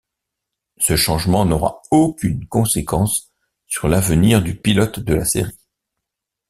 Ce changement n'aura aucune conséquence sur l'avenir du pilote de la série.